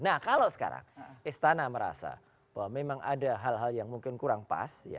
nah kalau sekarang istana merasa bahwa memang ada hal hal yang mungkin kurang pas